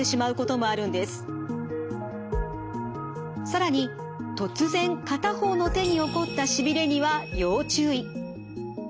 更に突然片方の手に起こったしびれには要注意。